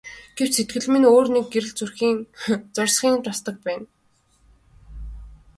Гэвч сэтгэлд минь өөр нэг гэрэл зурсхийн тусдаг байна.